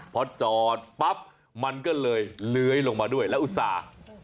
พอจอดปั๊บมันก็เลยเหล้ายลงมาด้วยแล้วอุศา